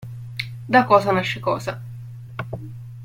Da cosa nasce cosa.